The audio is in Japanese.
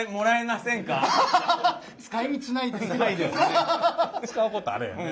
使うことあればね。